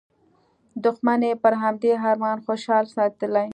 دوښمن یې پر همدې ارمان خوشحال ساتلی.